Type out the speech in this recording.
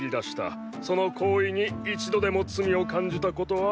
その行為に一度でも罪を感じたことは？